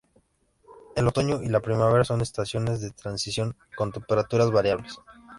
El otoño y la primavera son estaciones de transición con temperaturas variables.